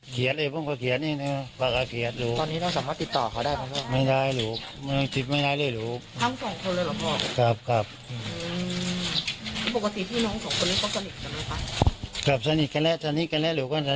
ครับสนิทกันแล้ว